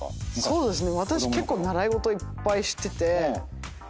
そうですね。